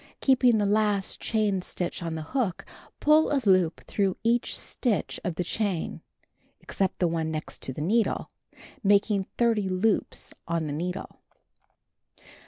Keeping the last chain stitch on the hook, pull a loop through each stitch of the chain (except the one next to the needle) making 30 loops on the needle.